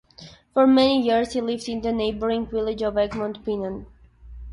For many years he lived in the neighboring village of Egmond-Binnen.